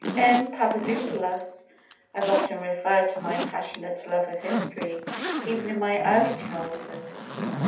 "M. Papadopoulos has often referred to my passionate love of history even in my early childhood.